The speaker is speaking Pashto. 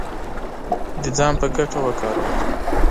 د ځان په ګټه وکاروله